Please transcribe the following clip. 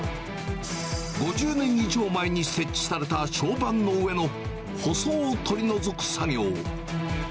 ５０年以上前に設置された床版の上の舗装を取り除く作業。